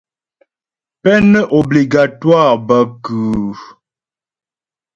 Peine obligatoire bə kʉ́ʉ́ ?